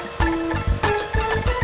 ibu ke rumah sakit dianterin